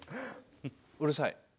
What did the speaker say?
うるさい。